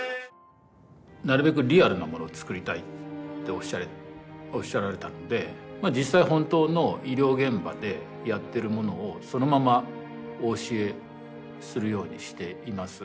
なるべくリアルなものをつくりたいっておっしゃられたので実際本当の医療現場でやってるものをそのままお教えするようにしています。